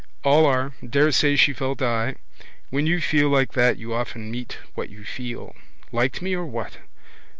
All are. Daresay she felt I. When you feel like that you often meet what you feel. Liked me or what?